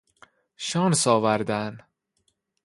شانس آوردن